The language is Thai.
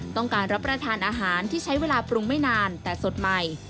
ต้องการรับประทานอาหารที่ใช้เวลาปรุงไม่นานแต่สดใหม่